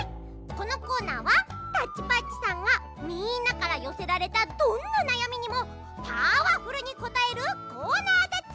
このコーナーはタッチパッチさんがみんなからよせられたどんななやみにもパワフルにこたえるコーナーだっち！